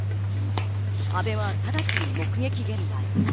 阿部は直ちに目撃現場へ。